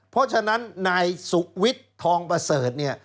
เพราะฉะนั้นนายสุวิทย์ทองประเสริฐเนี่ย